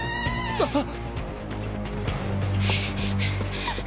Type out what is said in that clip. あっ。